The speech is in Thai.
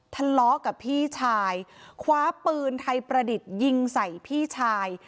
ทะเลาะกับพี่ชายคว้าปืนไทยประดิษฐ์ยิงใส่พี่ชาย